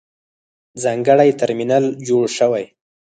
ځانګړی ترمینل جوړ شوی.